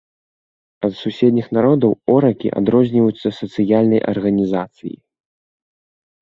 Ад суседніх народаў оракі адрозніваюцца сацыяльнай арганізацыяй.